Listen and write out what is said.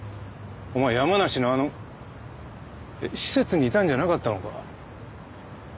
お前山梨のあのえっ施設にいたんじゃなかったのか？